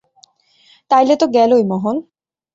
তাইলে তো গেলোই মহল।